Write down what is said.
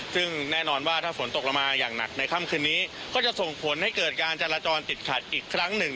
ซึ่งแน่นอนว่าถ้าฝนตกลงมาอย่างหนักในค่ำคืนนี้ก็จะส่งผลให้เกิดการจราจรติดขัดอีกครั้งหนึ่ง